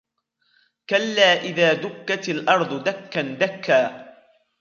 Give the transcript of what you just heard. كَلَّا إِذَا دُكَّتِ الْأَرْضُ دَكًّا دَكًّا